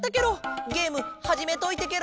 ゲームはじめといてケロ！